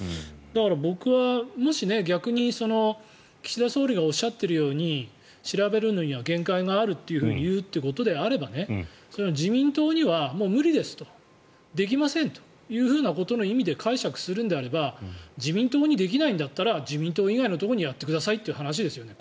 僕はもし逆に岸田総理がおっしゃっているように調べるのには限界があると言うことであればそれは自民党には無理ですとできませんというようなことの意味で解釈するのであれば自民党にできないんだったら自民党以外のところでやってくださいということですよね